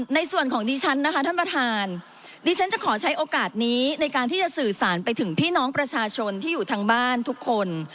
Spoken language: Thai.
ในส่วนของดิฉันนะคะท่านประธานดิฉันจะขอใช้โอกาสนี้ในการที่จะสื่อสารไปถึงพี่น้องประชาชนที่อยู่ทางบ้านทุกคน